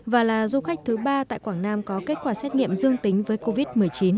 và là du khách thứ ba tại quảng nam có kết quả xét nghiệm dương tính với covid một mươi chín